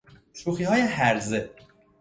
شوخیهای هرزه